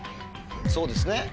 そうですね！